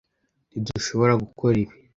Ntidushobora gukora ibi?